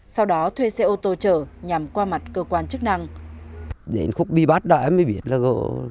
sau đó thuê xe ô tô chở nhằm qua mặt cơ quan chức năng